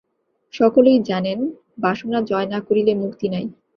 সকলেই জানেন, বাসনা জয় না করিলে মুক্তি নাই।